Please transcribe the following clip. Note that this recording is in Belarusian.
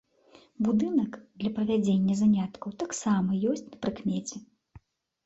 Будынак для правядзення заняткаў таксама ёсць на прыкмеце.